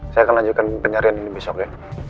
saya akan lanjutkan pencarian ini besok ya